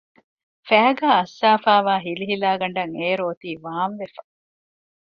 ފައިގާ އައްސާފައިވާ ހިލިހިލާގަނޑަށް އެއިރު އޮތީ ވާންވެފަ